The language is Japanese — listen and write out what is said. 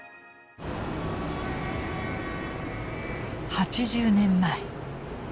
８０年前。